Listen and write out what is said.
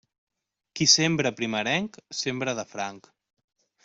Qui sembra primerenc, sembra de franc.